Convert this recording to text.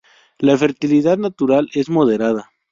La fertilidad natural es moderada.